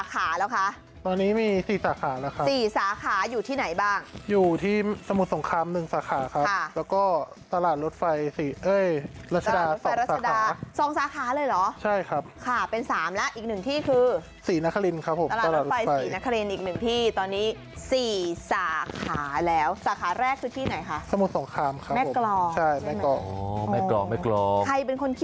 คือผมเคยไปทานั่นเร็งบังที่ใส่พริกขี้หนูมาน้อยเกินไป